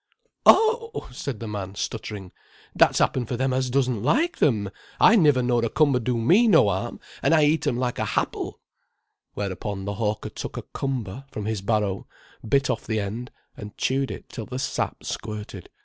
"Oh!" said the man, stuttering. "That's 'appen for them as doesn't like them. I niver knowed a cumber do me no harm, an' I eat 'em like a happle." Whereupon the hawker took a "cumber" from his barrow, bit off the end, and chewed it till the sap squirted.